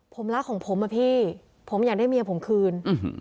ผมรักของผมอะพี่ผมอยากได้เมียผมคืน